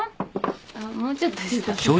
あっもうちょっと下。